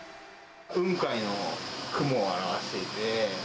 雲海の雲を表していて。